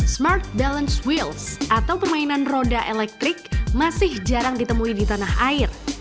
smart balance wheels atau permainan roda elektrik masih jarang ditemui di tanah air